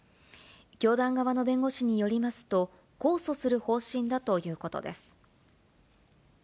教団側の弁護士によりますと、控訴する方針だということです。